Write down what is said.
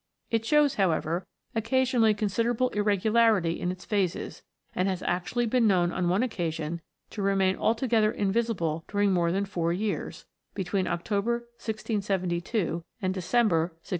It shows, however, occasionally considerable irregularity in its phases, and has actually been known on one occasion to remain altogether invisible during more than four years (between October, 1 672, and Decem ber, 1676).